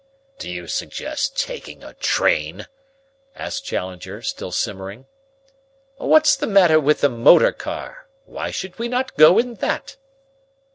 "Do you suggest taking a train?" asked Challenger, still simmering. "What's the matter with the motor car? Why should we not go in that?"